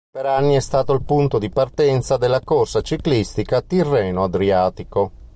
Per anni è stato il punto di partenza della corsa ciclistica Tirreno-Adriatico.